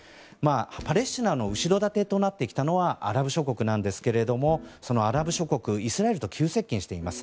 パレスチナの後ろ盾となってきたのはアラブ諸国なんですがイスラエルと急接近しています。